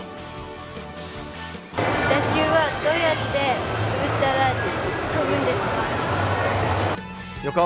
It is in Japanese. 打球はどうやって打ったら飛ぶんですか？